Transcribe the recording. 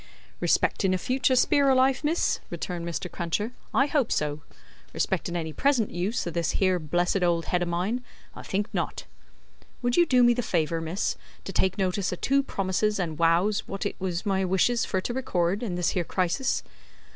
"Respectin' a future spear o' life, miss," returned Mr. Cruncher, "I hope so. Respectin' any present use o' this here blessed old head o' mine, I think not. Would you do me the favour, miss, to take notice o' two promises and wows wot it is my wishes fur to record in this here crisis?"